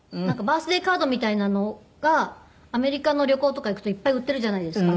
バースデーカードみたいなのがアメリカの旅行とか行くといっぱい売ってるじゃないですか。